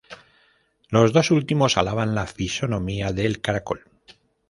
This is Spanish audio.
Los dos últimos alaban la fisonomía del caracol.